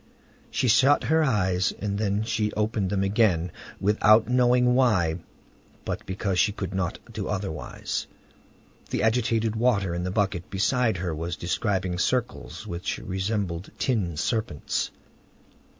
She shut her eyes; then she opened them again, without knowing why, but because she could not do otherwise. The agitated water in the bucket beside her was describing circles which resembled tin serpents.